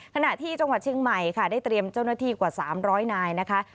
ขณะที่จังหวัดเชียงใหม่ค่ะได้เตรียมเจ้าหน้าที่กว่า๓๐๐นายนะคะ